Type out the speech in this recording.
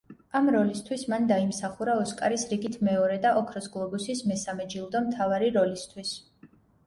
ამ როლისთვის მან დაიმსახურა ოსკარის რიგით მეორე და ოქროს გლობუსის მესამე ჯილდო მთავარი როლისთვის.